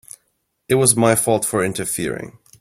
It was my fault for interfering.